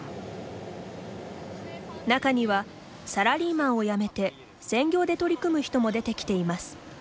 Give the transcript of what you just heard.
中にはサラリーマンを辞めて専業で取り組む人も出てきています。